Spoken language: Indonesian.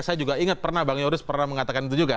saya juga ingat pernah bang yoris pernah mengatakan itu juga